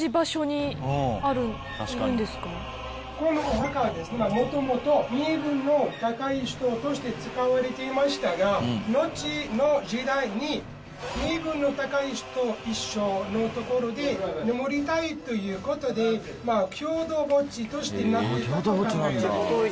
でもこのお墓はもともと身分の高い人として使われていましたが後の時代に身分の高い人一緒のところで眠りたいということで共同墓地としてなってったと考えられています。